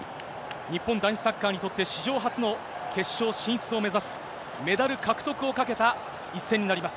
日本男子サッカーにとって史上初の決勝進出を目指す、メダル獲得をかけた一戦になります。